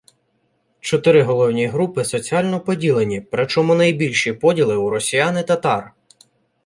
Чотири головні групи соціально поділені, причому найбільші поділи у росіян і татар.